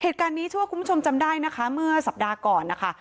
เหตุการณ์นี้ช่วงว่าคุณผู้ชมจำได้นะคะเมื่อสัปดาห์ก่อนนะคะ